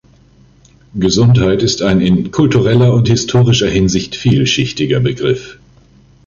Gesundheit ist ein in kultureller und historischer Hinsicht vielschichtiger Begriff.